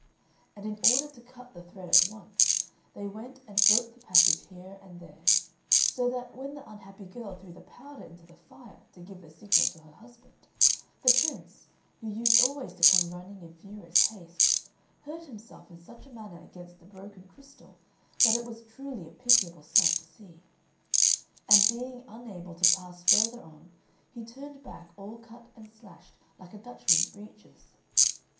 And in order to cut the thread at once, they went and broke the passage here and there; so that, when the unhappy girl threw the powder into the fire, to give the signal to her husband, the Prince, who used always to come running in furious haste, hurt himself in such a manner against the broken crystal that it was truly a pitiable sight to see. And being unable to pass further on he turned back all cut and slashed like a Dutchman's breeches.